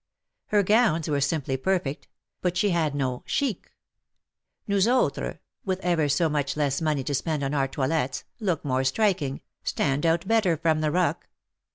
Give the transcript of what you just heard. Her gowns were simply perfect — but she had no chic. Nous autres, with ever so much less money to spend on our toilettes, look more striking — stand out better from the ruck.